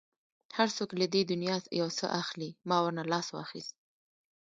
هر څوک له دې دنیا یو څه اخلي، ما ورنه لاس واخیست.